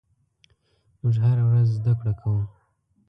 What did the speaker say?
موږ هره ورځ زدهکړه کوو.